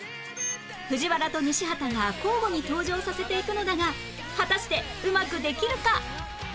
藤原と西畑が交互に登場させていくのだが果たしてうまくできるか？